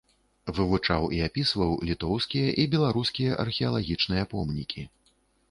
Вывучаў і апісваў літоўскія і беларускія археалагічныя помнікі.